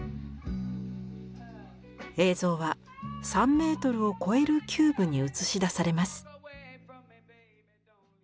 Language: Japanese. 映像は３メートルを超えるキューブに映し出されます。